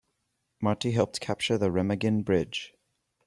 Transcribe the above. Marty helped capture the Remagen Bridge.